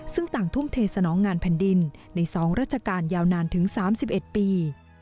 ซึ่งต่างทุ่มเทสนองงานแผ่นดินใน๒ราชการยาวนานถึง๓๑ปี